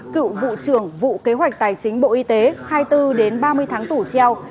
cựu vụ trưởng vụ kế hoạch tài chính bộ y tế hai mươi bốn ba mươi tháng tù treo